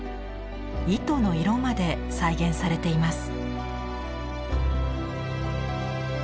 糸の色まで再現されています。